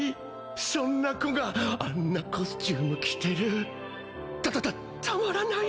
そんな子があんなコスチューム着てるたたたたまらない